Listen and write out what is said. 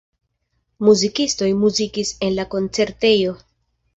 Muzikistoj muzikis en la koncertejo.